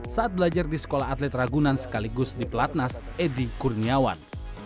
saat belajar di sekolah atlet ragunan sekaligus di pelatnas edi kurniawan